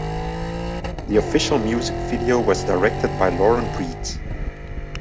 The official music video was directed by Lauren Briet.